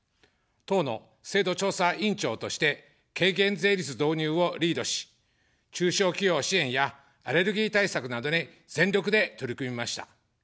党の制度調査委員長として、軽減税率導入をリードし、中小企業支援やアレルギー対策などに全力で取り組みました。